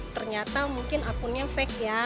ternyata mungkin akunnya fake ya